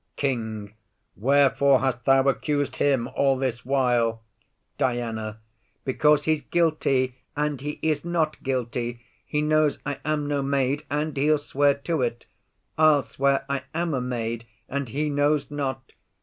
KING. Wherefore hast thou accus'd him all this while? DIANA. Because he's guilty, and he is not guilty. He knows I am no maid, and he'll swear to't: I'll swear I am a maid, and he knows not.